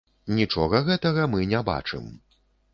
Нічога гэтага мы не бачым.